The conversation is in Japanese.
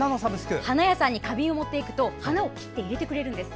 花屋さんに花瓶を持っていくと花を切って入れてくれるんです。